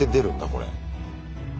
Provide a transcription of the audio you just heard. これ。